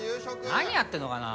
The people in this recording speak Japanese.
何やってんのかな